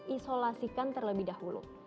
isolasikan terlebih dahulu